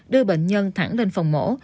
đưa bệnh nhân thẳng lên phòng mổ